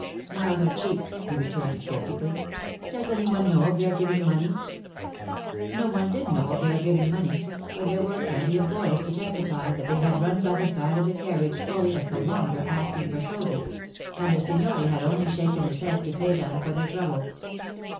'Smiles are cheap,' he returned sceptically. 'Does any one know of their giving money?' No one did know of their giving money, but there were plenty of boys to testify that they had run by the side of the carriage fully a kilometre asking for soldi, and the signore had only shaken his head to pay them for their trouble.